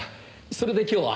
それで今日は？